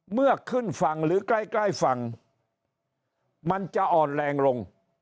เมื่อขึ้นฝั่งหรือใกล้ใกล้ฝั่งมันจะอ่อนแรงลง